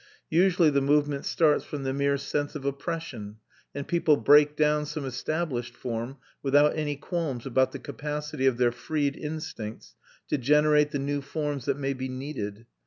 Usually the movement starts from the mere sense of oppression, and people break down some established form, without any qualms about the capacity of their freed instincts to generate the new forms that may be needed.